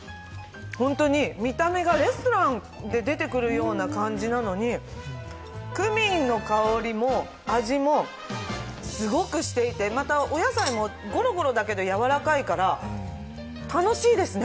本当に見た目がレストランで出てくるような感じなのにクミンの香りも味もすごくしていてお野菜も、ごろごろだけど柔らかいから楽しいですね。